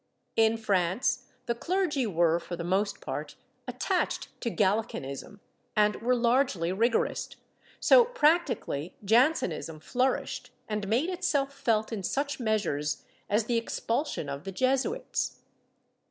In France the clergy were, for the most part, attached to Gallicanism and were largely rigorist, so practically Jansenism flourished and made itself felt in such measures as the expulsion of the Jesuits.